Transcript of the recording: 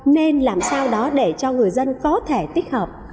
nên làm sao đó để cho người dân có thể tích hợp